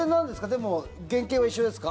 でも、原形は一緒ですか？